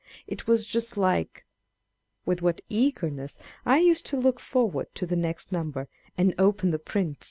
It was just like ! \\ith what eagerness I used to look forward to the next number, and open the prints